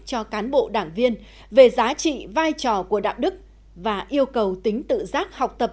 cho cán bộ đảng viên về giá trị vai trò của đạo đức và yêu cầu tính tự giác học tập